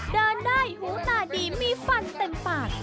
เดินได้หูตาดีมีฟันเต็มปาก